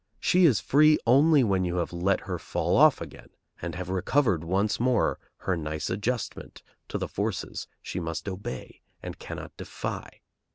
She is free only when you have let her fall off again and have recovered once more her nice adjustment to the forces she must obey and cannot defy.